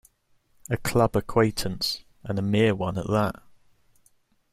A club acquaintance, and a mere one at that.